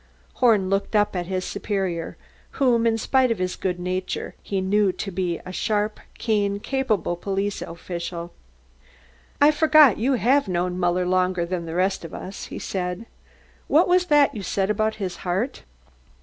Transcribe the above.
Horn looked up at his superior, whom, in spite of his good nature, he knew to be a sharp, keen, capable police official. "I forgot you have known Muller longer than the rest of us," he said. "What was that you said about his heart?"